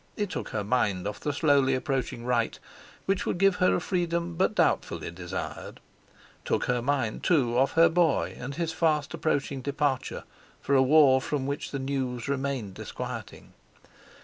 It took her mind off the slowly approaching rite which would give her a freedom but doubtfully desired; took her mind, too, off her boy and his fast approaching departure for a war from which the news remained disquieting.